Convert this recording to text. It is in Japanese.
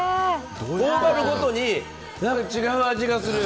頬張るごとに違う味がする！